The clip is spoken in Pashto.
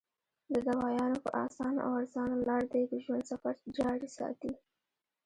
د دوايانو پۀ اسانه او ارزانه لار دې د ژوند سفر جاري ساتي -